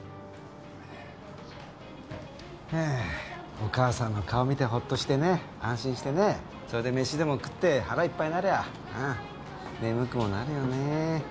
お母さんの顔見てホッとしてね安心してねそれで飯でも食って腹いっぱいになりゃうん眠くもなるよね。